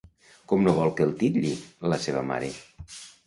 Com no vol que el titlli la seva mare?